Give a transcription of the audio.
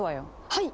はい！